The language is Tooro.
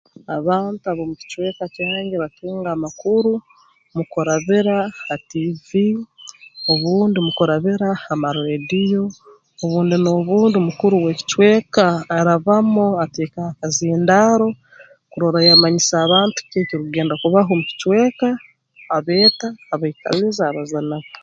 Abantu ab'omu kicweka kyange batunga amakuru mu kurabira ha tiivi obundi mu kurabira ha marreediyo obundi n'obundi mukuru w'ekicweka arabamu ateekaho akazindaaro kurora yamanyisa abantu kiki ekirukugenda kubaho omu kicweka abeeta abaikaliza abaza nabo